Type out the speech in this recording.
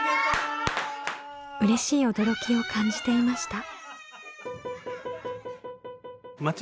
うれしい驚きを感じていました。